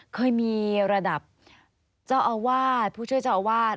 เคยมีระดับเจ้าอาวาสผู้ช่วยเจ้าอาวาส